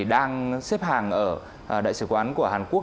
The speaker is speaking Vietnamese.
đang xếp hàng ở đại sứ quán của hàn quốc